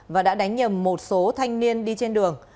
và đã đánh nhầm một số thanh niên đi trên đường